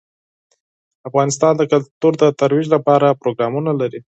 افغانستان د کلتور د ترویج لپاره پروګرامونه لري.